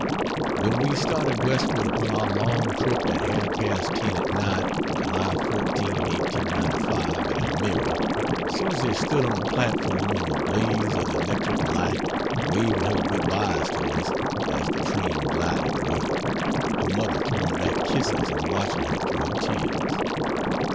When we started westward upon our long trip at half past ten at night, July 14, 1895, at Elmira, Susy stood on the platform in the blaze of the electric light waving her good byes to us as the train glided away, her mother throwing back kisses and watching her through her tears.